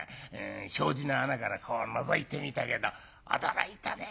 障子の穴からこうのぞいてみたけど驚いたねぇおい。